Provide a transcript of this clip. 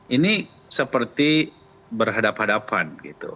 ini seperti berhadapan hadapan